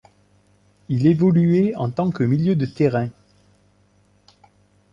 Il évoluait en tant que milieu de terrain.